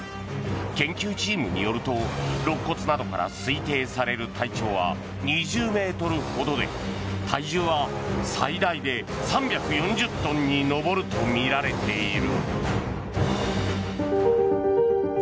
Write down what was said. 研究チームによるとろっ骨などから推定される体長は２０ｍほどで体重は最大で３４０トンに上るとみられている。